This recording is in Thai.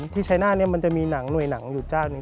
ที่ชายหน้าเนี่ยมันจะมีหนังหน่วยหนังอยู่จากหนึ่ง